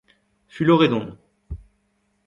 Fuloret on.